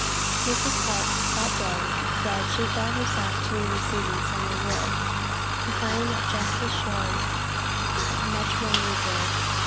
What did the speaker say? Mrs. Holt, that day, said she felt herself to be receiving "some reward," implying that justice certainly had much more in reserve.